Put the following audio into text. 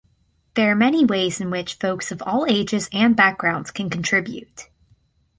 There are many ways in which folks of all ages and backgrounds can contribute